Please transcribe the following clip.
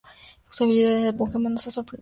Su habilidad en el empuje manos era sorprendente.